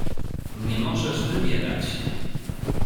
"Nie możesz wybierać."